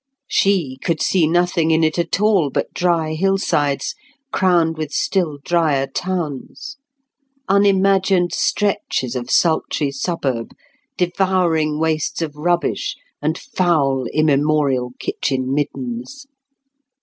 She could see nothing in it all but dry hillsides, crowned with still drier towns; unimagined stretches of sultry suburb; devouring wastes of rubbish and foul immemorial kitchen middens.